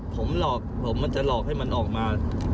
ผมหลอกผมมันจะหลอกให้มันออกมา